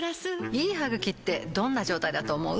いい歯ぐきってどんな状態だと思う？